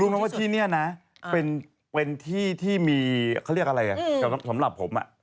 รู้ไหมว่าที่เนี่ยนะเป็นที่ที่มีเขาเรียกอะไรอะสำหรับผมอะ